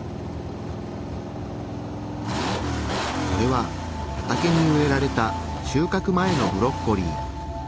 これは畑に植えられた収かく前のブロッコリー。